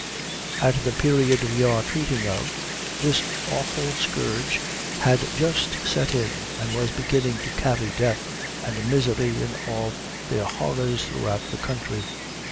At the period we are treating of, this awful scourge had just set in, and was beginning to carry death and misery in all their horrors throughout the country.